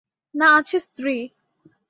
না আছে স্ত্রী।